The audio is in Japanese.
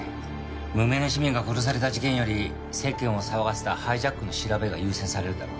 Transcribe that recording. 無名の市民が殺された事件より世間を騒がせたハイジャックの調べが優先されるだろう。